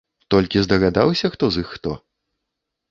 Толькі здагадаўся хто з іх хто?